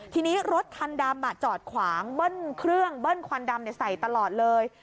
ทีนี้รถคันดำจอดขวางเบิ้ลเครื่องเบิ้ลควันดำใส่ตลอดเลย